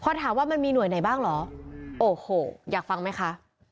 พอถามว่ามันมีหน่วยไหนบ้างเหรอโอ้โหอยากฟังไหมคะ